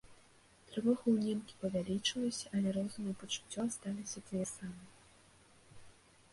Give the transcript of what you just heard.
Трывога ў немкі павялічылася, але розум і пачуццё асталіся тыя самыя.